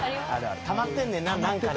たまってんねんな何かな。